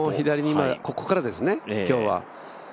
ここからですね、今日は。